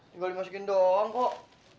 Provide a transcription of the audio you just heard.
tinggal dimasukin doang kok